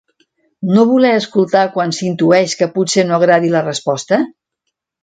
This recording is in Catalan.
No voler escoltar quan s’intueix que potser no agradi la resposta?.